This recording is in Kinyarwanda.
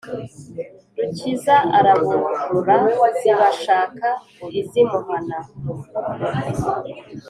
rukiza araborora zibashaka iz’imuhana.